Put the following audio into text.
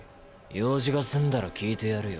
用事が済んだら聞いてやるよ。